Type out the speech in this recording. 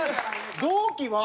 同期は？